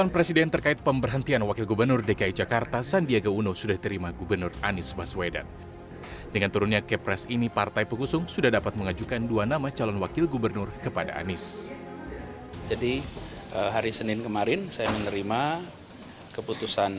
pks berharap gerindra tidak mau menyerahkan kursi dki jakarta tanpa mekanisme di dprd dki jakarta